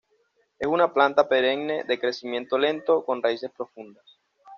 Es una planta perenne, de crecimiento lento, con raíces profundas.